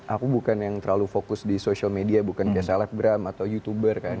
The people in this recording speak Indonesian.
aku bukan yang terlalu fokus di social media bukan kayak selebgram atau youtuber kan